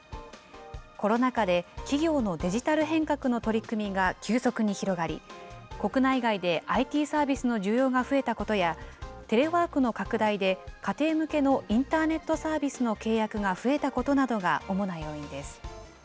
コロナ禍で企業のデジタル変革の取り組みが急速に広がり、国内外でＩＴサービスの需要が増えたことや、テレワークの拡大で家庭向けのインターネットサービスの契約が増えたことなどが主な要因です。